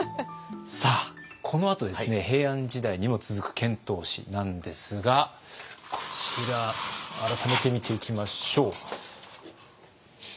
さあこのあと平安時代にも続く遣唐使なんですがこちら改めて見ていきましょう。